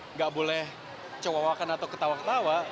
nggak boleh cowok cowokan atau ketawa ketawa